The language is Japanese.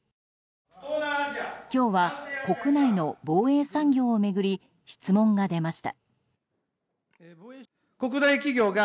今日は国内の防衛産業を巡り質問が出ました。